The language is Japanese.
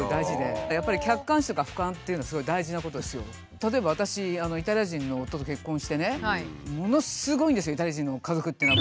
例えば私イタリア人の夫と結婚してねものすごいんですよイタリア人の家族っていうのは。